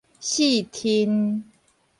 四伨